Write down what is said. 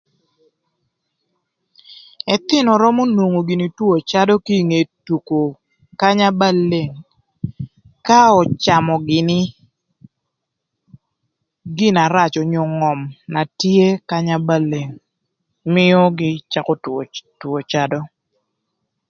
Ëthïnö römö nwongo gïnï twö cado kïnge tuko kanya ba leng, ka öcamö gïnï gina rac onyo ngöm na tye kanya ba leng. Mïögï cakö twö cadö.